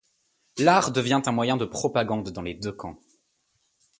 L'art devient un moyen de propagande dans les deux camps.